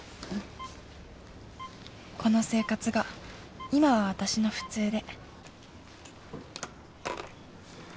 ［この生活が今は私の普通で］